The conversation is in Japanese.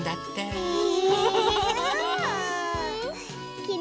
へえ。